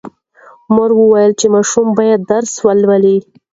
مور وویل چې ماشوم باید درس ولولي.